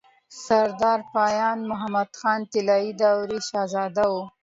سردار پاينده محمد خان طلايي دورې شهزاده وو